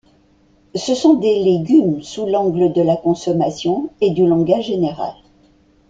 Ce sont des légumes sous l'angle de la consommation et du langage général.